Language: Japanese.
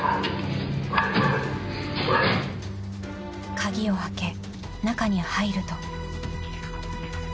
［鍵を開け中に入ると］